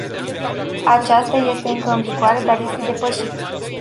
Acesta este încă în vigoare, dar este depășit.